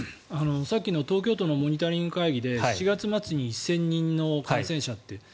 さっきの東京都のモニタリング会議で７月末に１０００人の感染者って。